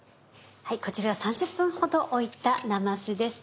こちらは３０分ほど置いたなますです。